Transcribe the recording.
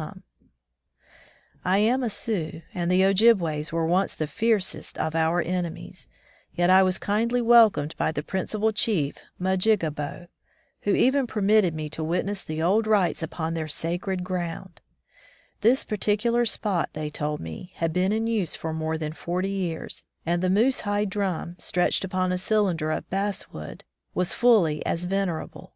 169 Fnm the Deep Woods to Cimlvsation I am a Sioux, and the Qjibways were once the fiercest of our enemies, yet I was kindly welcomed by the principal chief, Majigabo, who even permitted me to witness the old rites upon their ''sacred ground/' This particular spot, they told me, had been in use for more than forty years, and the moose hide drum, stretched upon a cylinder of bass wood, was fully as venerable.